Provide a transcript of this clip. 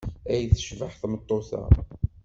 Ay tecbeḥ tmeṭṭut-a!